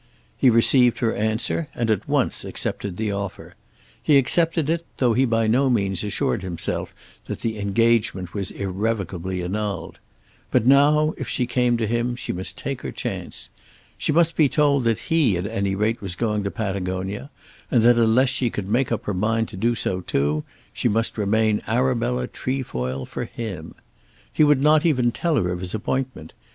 He received her answer and at once accepted the offer. He accepted it, though he by no means assured himself that the engagement was irrevocably annulled. But now, if she came to him, she must take her chance. She must be told that he at any rate was going to Patagonia, and that unless she could make up her mind to do so too, she must remain Arabella Trefoil for him. He would not even tell her of his appointment.